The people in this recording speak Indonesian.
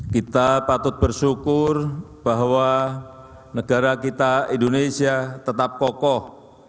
kita patut bersyukur bahwa negara kita indonesia tetap kokoh